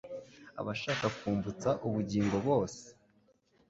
Abashaka kumvutsa ubugingo bose